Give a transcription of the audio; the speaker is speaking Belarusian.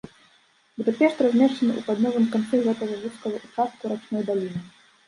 Будапешт размешчаны ў паўднёвым канцы гэтага вузкага ўчастку рачной даліны.